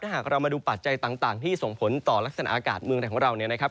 หากเรามาดูปัจจัยต่างที่ส่งผลต่อลักษณะอากาศเมืองไทยของเราเนี่ยนะครับ